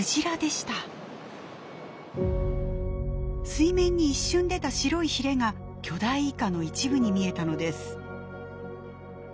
水面に一瞬出た白いヒレが巨大イカの一部に見えたのです。